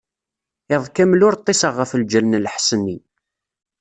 Iḍ kamel ur ṭṭiseɣ ɣef lǧal n lḥess-nni.